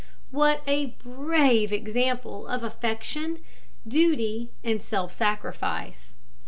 What a brave example of affection, duty, and self sacrifice!